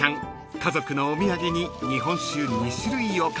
家族のお土産に日本酒２種類お買い上げ］